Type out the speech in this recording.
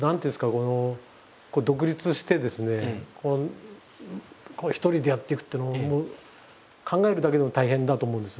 この独立してですね一人でやっていくっていうのも考えるだけでも大変だと思うんですよ。